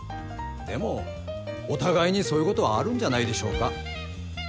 でもお互いにそういうことはあるんじゃないでしょうか。